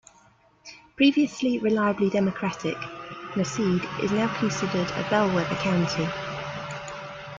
Previously reliably Democratic, Merced is now considered a bellwether county.